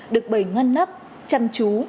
được bày ngăn nắp chăm chú